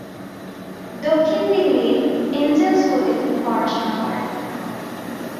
দক্ষিণ দিল্লির অ্যাঞ্জেল স্কুলে তিনি পড়াশোনা করেন।